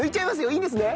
いいですね？